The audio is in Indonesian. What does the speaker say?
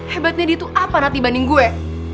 hebatnya dia tuh apa nat dibanding gue